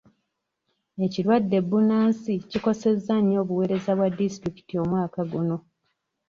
Ekirwadde bbunansi kikosezza nnyo obuweereza bwa disitulikiti omwaka guno.